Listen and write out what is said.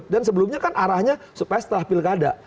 dan sebelumnya kan arahnya supaya setelah pilkada